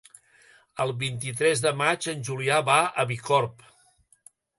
El vint-i-tres de maig en Julià va a Bicorb.